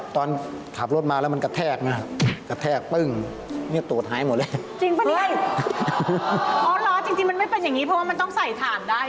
ตอนขับรถมาแล้วมันกระแทกนะครับกระแทกปึ้งนี่ตรวจหายหมดเลย